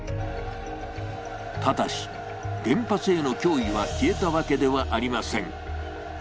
ただし、原発への脅威は消えたわけではありません。